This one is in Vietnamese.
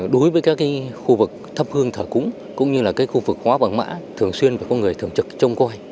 đối với các cái khu vực thắp hương thở cúng cũng như là cái khu vực hóa bằng mã thường xuyên và có người thường trực trông coi